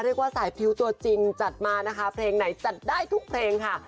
เรียกว่าสายพริ้วตัวจริงจัดมานะคะเพลงไหนจัดได้ทุกเพลงค่ะ